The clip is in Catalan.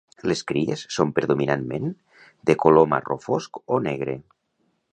Les cries són predominantment de color marró fosc o negre.